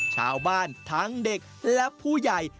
ชาวบ้านทั้งเด็กและผู้ใหญ่